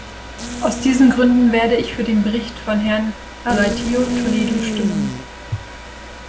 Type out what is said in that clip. Aus diesen Gründen werde ich für den Bericht von Herrn Areitio Toledo stimmen.